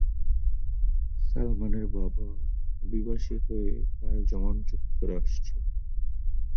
সালমানের বাবা অভিবাসী হয়ে পাড়ি জমান যুক্তরাষ্ট্রে।